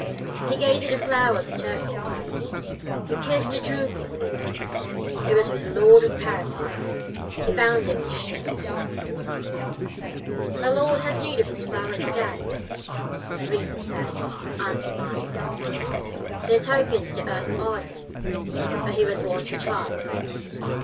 '' He gazed at the flowers with tearful eyes, He kissed their drooping leaves; It was for the Lord of Paradise He bound them in his sheaves. ``My Lord has need of these flowerets gay,'' The Reaper said, and smiled; ``Dear tokens of the earth are they, Where he was once a child.